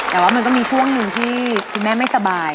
แต่ว่ามันก็มีช่วงหนึ่งที่คุณแม่ไม่สบาย